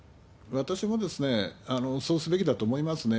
私もそうすべきだと思いますね。